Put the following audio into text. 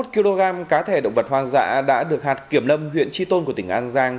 sáu mươi một kg cá thể động vật hoang dạ đã được hạt kiểm lâm huyện tri tôn của tỉnh an giang